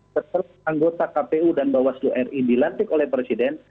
setelah anggota kpu dan bawaslu ri dilantik oleh presiden